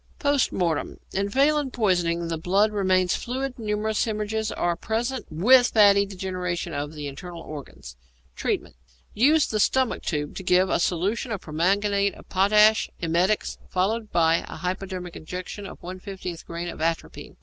Post Mortem. In phallin poisoning the blood remains fluid; numerous hæmorrhages are present, with fatty degeneration of the internal organs. Treatment. Use the stomach tube to give a solution of permanganate of potash, emetics, followed by a hypodermic injection of 1/50 grain of atropine.